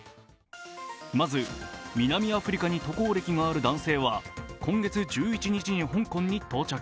まず南アフリカに渡航歴がある男性は今月１１日に香港に到着。